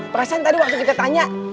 perasaan tadi waktu kita tanya